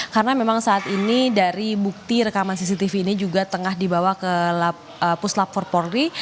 karena memang saat ini dari bukti rekaman cctv ini juga tengah dibawa ke puslap fort porri